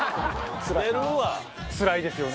つらいですよね。